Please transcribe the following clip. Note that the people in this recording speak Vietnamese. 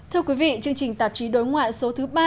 thưa quý vị chương trình tạp chí đối ngoại số thứ ba